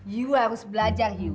you harus belajar hiu